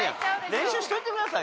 練習しといてくださいよ！